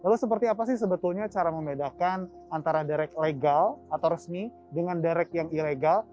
lalu seperti apa sih sebetulnya cara membedakan antara derek legal atau resmi dengan derek yang ilegal